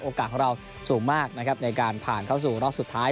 โอกาสของเราสูงมากในการผ่านเข้าสู่รอบสุดท้าย